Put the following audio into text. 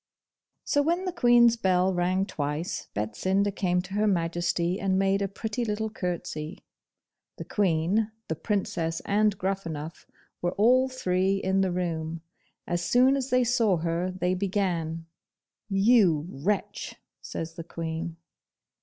So when the Queen's bell rang twice, Betsinda came to Her Majesty and made a pretty little curtsey. The Queen, the Princess, and Gruffanuff were all three in the room. As soon as they saw her they began, 'You wretch!' says the Queen.